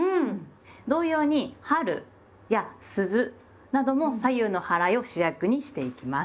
同様に「春」や「鈴」なども左右のはらいを主役にしていきます。